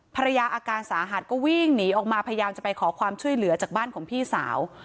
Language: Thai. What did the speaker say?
ภรรยาอาการสาหัสก็วิ่งหนีออกมาพยายามจะไปขอความช่วยเหลือจากบ้านของพี่สาว